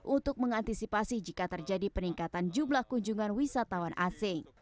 untuk mengantisipasi jika terjadi peningkatan jumlah kunjungan wisatawan asing